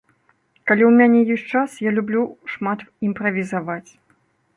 Калі ў мяне ёсць час, я люблю шмат імправізаваць.